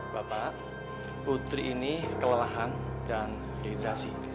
bapak putri ini kelelahan dan dehidrasi